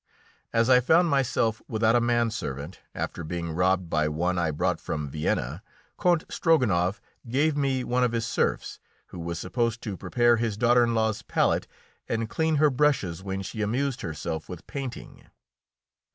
As I found myself without a man servant, after being robbed by one I had brought from Vienna, Count Strogonoff gave me one of his serfs, who was supposed to prepare his daughter in law's palette and clean her brushes when she amused herself with painting.